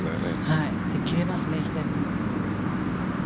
で、切れますね左に。